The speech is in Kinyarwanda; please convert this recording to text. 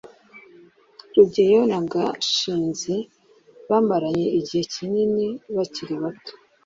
rugeyo na gashinzi bamaranye igihe kinini bakiri bato